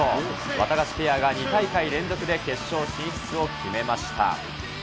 ワタガシペアが２大会連続で決勝進出を決めました。